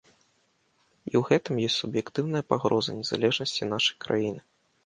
І ў гэтым ёсць суб'ектыўная пагроза незалежнасці нашай краіны.